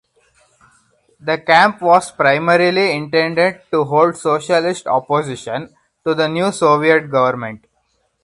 The camp was primarily intended to hold socialist opposition to the new Soviet government.